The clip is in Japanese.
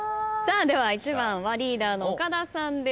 では１番はリーダーの岡田さんです。